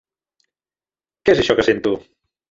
Què és això que sento?